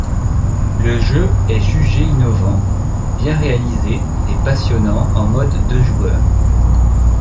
Le jeu est jugé innovant, bien réalisé et passionnant en mode deux joueurs.